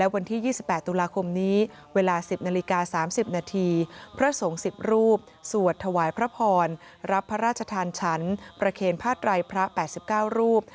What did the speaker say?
พระพรรดิ์รับพระราชธรรมชั้นประเขณภาคไตรพระ๘๙รูป